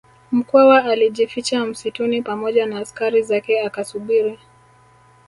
Mkwawa alijificha msituni pamoja na askari zake akasubiri